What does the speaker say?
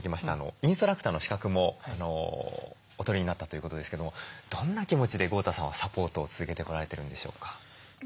インストラクターの資格もお取りになったということですけどもどんな気持ちで豪太さんはサポートを続けてこられてるんでしょうか？